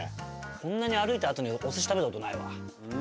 こんなに歩いたあとにお寿司食べた事ないわ。